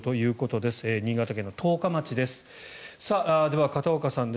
では、片岡さんです。